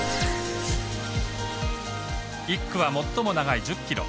１区は、最も長い１０ｋｍ。